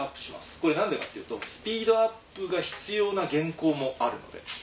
これ何でかっていうとスピードアップが必要な原稿もあるので。